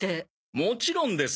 もちろんです。